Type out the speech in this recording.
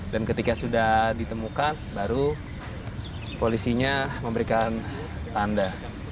dan ketika sudah ditemukan baru polisinya memberikan tanda